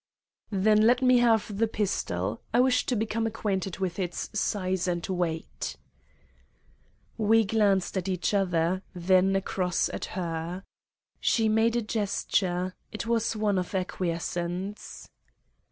"Then let me have the pistol; I wish to become acquainted with its size and weight." We glanced at each other, then across at her. She made a gesture; it was one of acquiescence.